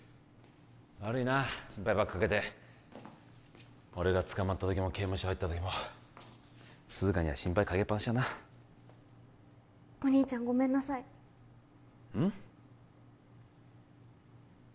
悪いな心配ばっかかけて俺が捕まった時も刑務所入った時も涼香には心配かけっぱなしだなお兄ちゃんごめんなさいうん？